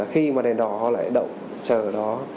khi mà đèn đỏ họ lại đậu chờ ở đó